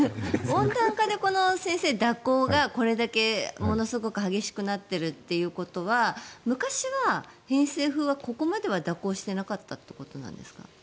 温暖化で蛇行がこれだけものすごく激しくなってるということは昔は偏西風はここまでは蛇行してなかったということですか？